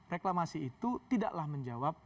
reklamasi itu tidaklah menjawab